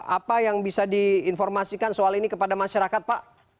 apa yang bisa diinformasikan soal ini kepada masyarakat pak